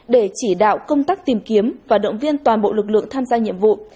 để chỉ đạo công tác tìm kiếm và động viên toàn bộ lực lượng tham gia nhiệm vụ